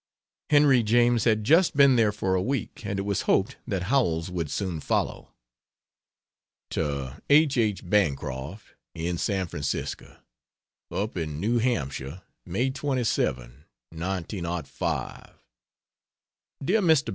Henry James had just been there for a week and it was hoped that Howells would soon follow. To H. H. Bancroft, in San Francisco: UP IN NEW HAMPSHIRE, May 27, 1905. DEAR MR.